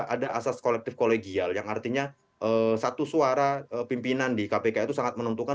ada asas kolektif kolegial yang artinya satu suara pimpinan di kpk itu sangat menentukan